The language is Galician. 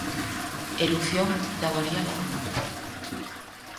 Erupción da varíola do mono.